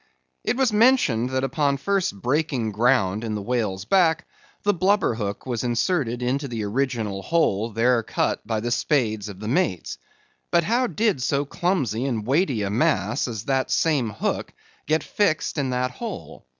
It was mentioned that upon first breaking ground in the whale's back, the blubber hook was inserted into the original hole there cut by the spades of the mates. But how did so clumsy and weighty a mass as that same hook get fixed in that hole?